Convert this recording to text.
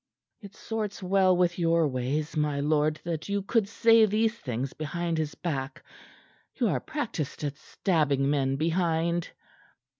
"It sorts well with your ways, my lord, that you could say these things behind his back. You are practiced at stabbing men behind."